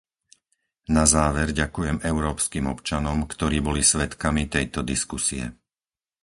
Na záver ďakujem európskym občanom, ktorí boli svedkami tejto diskusie.